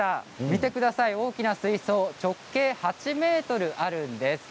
見てください、大きな水槽直径８ｍあるんです。